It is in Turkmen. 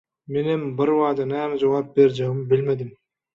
Menem bir bada näme jogap berjegimi bilmedim.